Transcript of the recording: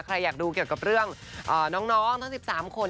ใครอยากดูเกี่ยวกับเรื่องน้องทั้ง๑๓คน